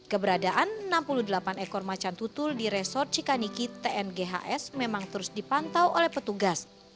keberadaan enam puluh delapan ekor macan tutul di resort cikaniki tnghs memang terus dipantau oleh petugas